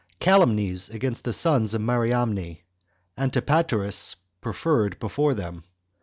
Calumnies Against The Sons Of Mariamne. Antipateris Preferred Before Them.